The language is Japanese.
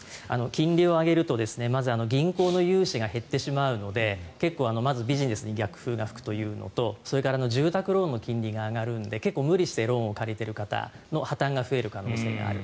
金利を上げるとまず銀行の融資が減ってしまうので結構、ビジネスに逆風が吹くというのとそれから住宅ローンの金利が上がるので結構、無理してローンを借りている方の破たんが増える可能性がある。